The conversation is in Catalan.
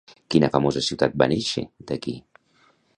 Quina famosa ciutat va néixer, d'aquí?